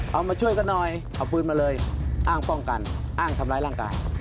มาช่วยกันหน่อยเอาปืนมาเลยอ้างป้องกันอ้างทำร้ายร่างกาย